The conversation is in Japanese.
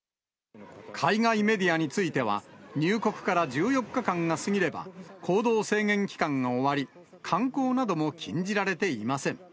海外メディアについては、入国から１４日間が過ぎれば、行動制限期間が終わり、観光なども禁じられていません。